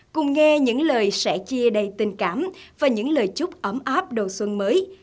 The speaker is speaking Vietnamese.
cùng nghe những lời sẽ chia đầy tình cảm và những lời chúc ấm áp đầu xuân mới